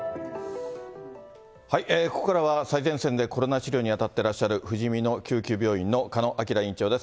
ここからは最前線でコロナ治療に当たってらっしゃるふじみの救急病院の鹿野晃院長です。